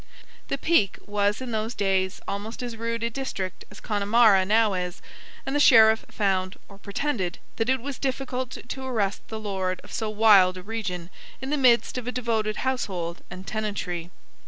The Peak was in those days almost as rude a district as Connemara now is, and the Sheriff found, or pretended, that it was difficult to arrest the lord of so wild a region in the midst of a devoted household and tenantry.